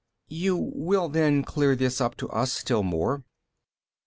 You will then clear this up to us still more.